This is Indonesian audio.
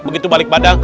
begitu balik badang